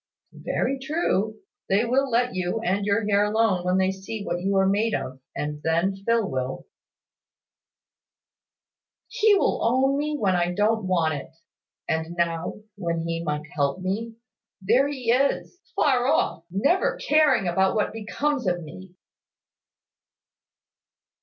"Very true. They will let you and your hair alone when they see what you are made of; and then Phil will " "He will own me when I don't want it; and now, when he might help me, there he is, far off, never caring about what becomes of me!"